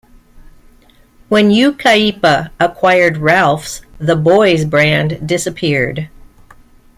When Yucaipa acquired Ralphs, the Boys brand disappeared.